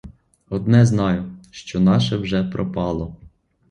Одне знаю, що наше вже пропало!